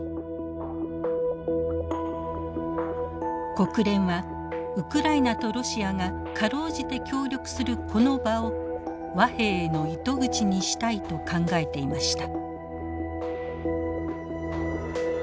国連はウクライナとロシアが辛うじて協力するこの場を和平への糸口にしたいと考えていました。